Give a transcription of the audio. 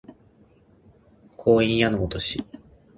光陰矢のごとし